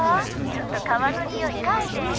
ちょっと革のにおい嗅いでん」。